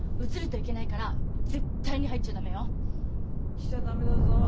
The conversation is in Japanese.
・来ちゃ駄目だぞ。